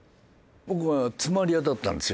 僕は詰まり屋だったんですよ。